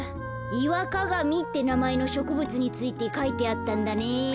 イワカガミってなまえのしょくぶつについてかいてあったんだね。